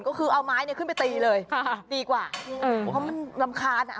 ก็คือเอาไม้ขึ้นไปตีเลยตีกว่าเพราะมันลำคาญ